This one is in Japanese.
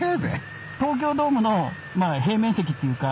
東京ドームの平面積っていうか